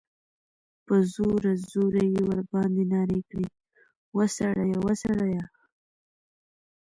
په زوره، زوره ئی ورباندي نارې کړې ، وسړیه! وسړیه!